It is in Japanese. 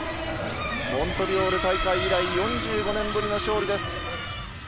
モントリオール大会以来４５年ぶりの勝利です。